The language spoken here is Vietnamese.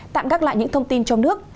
tạm gác lại những thông tin trong nước